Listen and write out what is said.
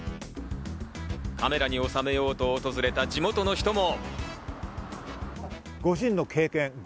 カメラに収めようと訪れた地元の人も。